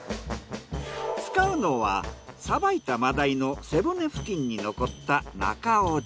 使うのはさばいたマダイの背骨付近に残った中落ち。